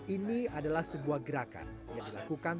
ini adalah sebuah gerakan yang dilakukan oleh orang